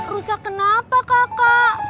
rusak kenapa kakak